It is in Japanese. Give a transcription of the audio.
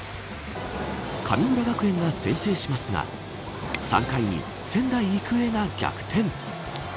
神村学園が先制しますが３回に、仙台育英が逆転。